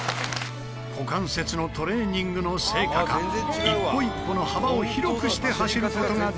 股関節のトレーニングの成果か一歩一歩の幅を広くして走る事ができている。